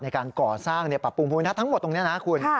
ในการก่อสร้างปรับปรุงภูมิทัศน์ทั้งหมดตรงนี้นะคุณ